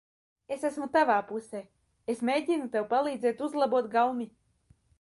Es esmu tavā pusē. Es mēģinu tev palīdzēt uzlabot gaumi.